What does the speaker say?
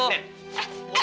ngomong di jaga ya apel